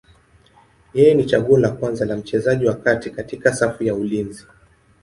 Yeye ni chaguo la kwanza la mchezaji wa kati katika safu ya ulinzi.